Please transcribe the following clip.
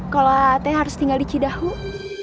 kalau hati harus tinggal licir dahut